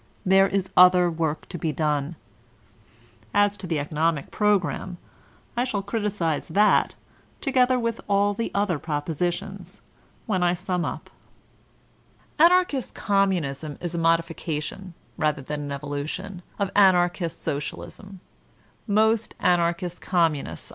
There is other work to be done. As to the economic program, I shall criticise that, together with all the other propositions, when I sum up. Anarchist Communism is a modification, rather an evolution, of Anarchist Socialism. Most Anarchist Com I06 VOLTAIRINE DB ClEYRE munists.